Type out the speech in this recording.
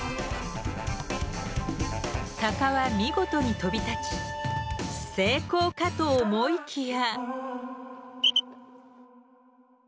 鷹は見事に飛び立ち成功かと思いきや。